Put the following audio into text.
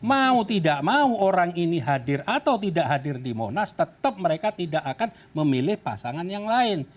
mau tidak mau orang ini hadir atau tidak hadir di monas tetap mereka tidak akan memilih pasangan yang lain